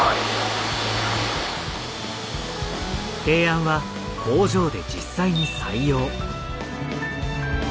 提案は工場で実際に採用。